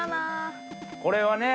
これはね。